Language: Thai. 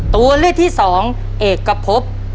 ตัวเลือดที่๒เอกกระพบ